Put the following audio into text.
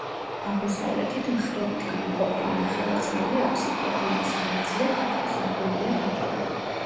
აღმოსავლეთით მხრებით გამოყოფილი ნახევარწრიული აფსიდია, რომლის ღერძზე ფართო სარკმელია გაჭრილი.